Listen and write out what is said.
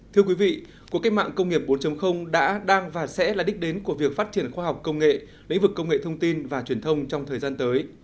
thưa quý vị cuộc cách mạng công nghiệp bốn đã đang và sẽ là đích đến của việc phát triển khoa học công nghệ lĩnh vực công nghệ thông tin và truyền thông trong thời gian tới